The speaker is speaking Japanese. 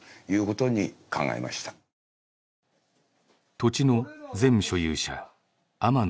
土地の前所有者天野二三男氏。